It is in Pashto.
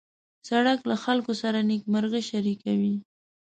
سړک له خلکو سره نېکمرغي شریکوي.